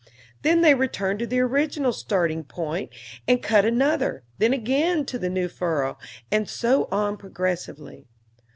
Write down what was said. Then they returned to the original starting point and cut another, then again to the new furrow, and so on progressively.